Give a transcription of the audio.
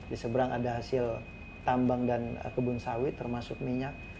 di seberang ada hasil tambang dan kebun sawit termasuk minyak